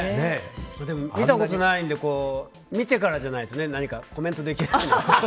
見たことないので見てからじゃないとコメントできない。